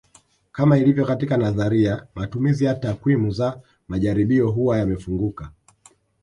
Kama ilivyo katika nadharia matumizi ya takwimu za majaribio huwa yamefunguka